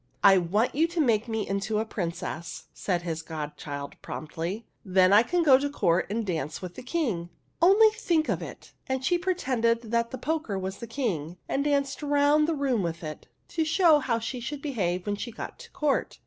" I want you to make me into a princess," said his godchild, promptly. " Then I can go to court and dance with the King ! Only think of it !" And she pretended that the poker was the King and danced round the room with it, 56 THE HUNDREDTH PRINCESS to show how she should behave when she got to court.